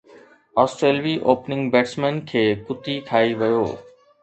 آسٽريلوي opening batsman کي ڪتي کائي ويو